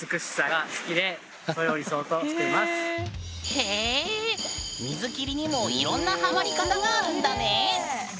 へえ水切りにもいろんなハマり方があるんだね。